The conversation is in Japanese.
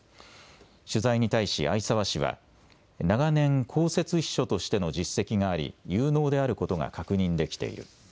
取材に対し逢沢氏は長年公設秘書としての実績があり有能であることが確認できている。